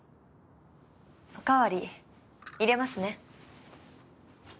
おかわり入れますね。